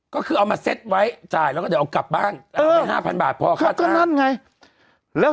ก็คืออามาสเซ็ตไว้จ่ายแล้วก็เดี๋ยวกับบ้าน๕๐๐๐บาทเพราะแค่นั้นไงแล้ว